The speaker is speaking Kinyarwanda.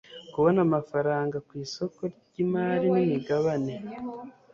kubona amafaranga ku isoko ry imari n imigabane